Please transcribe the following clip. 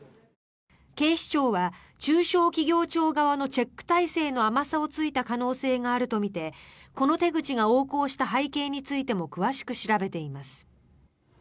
警視庁は中小企業庁側のチェック体制の甘さを突いた可能性があるとみてこの手口が横行した背景についても詳しく調べています。